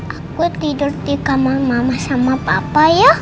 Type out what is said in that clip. aku tidur di kamar mama sama papa ya